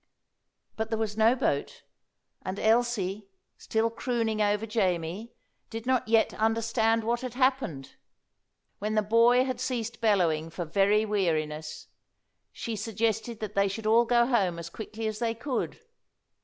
But there was no boat, and Elsie, still crooning over Jamie, did not yet understand what had happened. When the boy had ceased bellowing for very weariness, she suggested that they should all go home as quickly as they could.